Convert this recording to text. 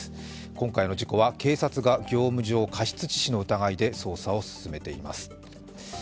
今回の事故は警察が業務上過失致死の疑いで捜査を進めています。